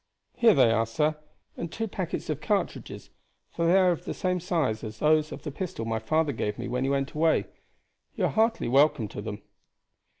Here they are, sir, and two packets of cartridges, for they are of the same size as those of the pistol my father gave me when he went away. You are heartily welcome to them."